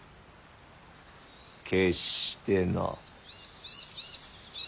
決してな。